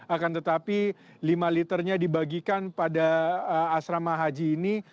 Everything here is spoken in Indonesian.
akan tetapi lima liternya dibagikan pada asrama haji ini